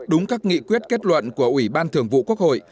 đúng các nghị quyết kết luận của ủy ban thường vụ quốc hội